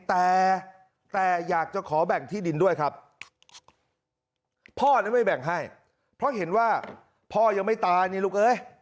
แต่อยากจะขอแบ่งที่ดินด้วยครับพ่อไม่แบ่งให้เพราะเห็นว่าพ่อยังไม่ตาย